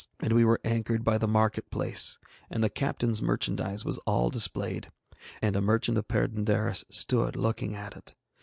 And we were anchored by the market place, and the captain's merchandise was all displayed, and a merchant of Perd├│ndaris stood looking at it.